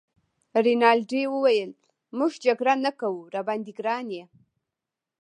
رینالډي وویل: موږ جګړه نه کوو، راباندي ګران يې.